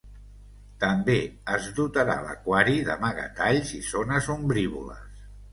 També es dotarà l'aquari d'amagatalls i zones ombrívoles.